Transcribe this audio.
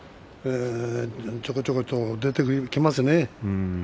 ちょこちょこと出てきますね。